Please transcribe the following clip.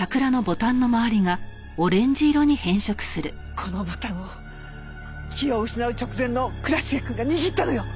このボタンを気を失う直前の倉重くんが握ったのよ！